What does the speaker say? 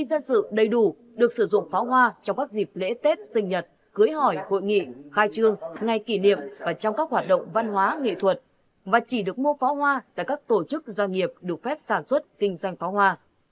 dân sự đầy đủ được sử dụng pháo hoa trong các dịp lễ tết sinh nhật cưới hỏi hội nghị khai trương ngày kỷ niệm và trong các hoạt động văn hóa nghệ thuật và chỉ được mua pháo hoa tại các tổ chức doanh nghiệp được phép sản xuất kinh doanh pháo hoa